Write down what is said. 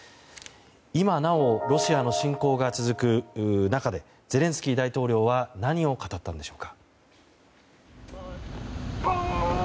今なおロシアの侵攻が続く中でゼレンスキー大統領は何を語ったんでしょうか。